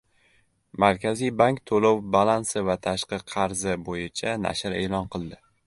Markaziy bank to‘lov balansi va tashqi qarzi bo‘yicha nashr e’lon qildi